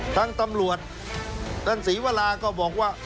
ตั้งตำรวจตั้งศรีวราก็บอกว่า